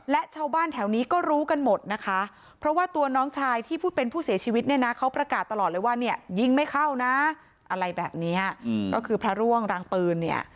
และชาวบ้านแถวนี้ก็รู้กันหมดนะคะเพราะว่าตัวน้องชายที่พูดเป็นผู้เสียชีวิตเนี่ยนะเขาประกาศตลอดเลยว่าเนี่ยยิงไม่เข้านะอะไรแบบนี้ก็คือพระร่วงรางปืนเนี่ย